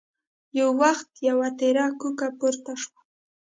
يو وخت يوه تېره کوکه پورته شوه.